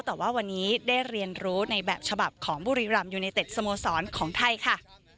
แต่ว่าวันนี้ได้เรียนรู้ในแบบฉบับของบุรีรำยูไนเต็ดสโมสรของไทยค่ะ